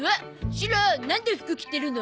シロなんで服着てるの？